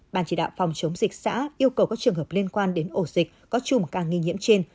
ban chỉ đạo phòng chống dịch xã yêu cầu các trường hợp liên quan đến ổ dịch có chùm ca nghi nhiễm trên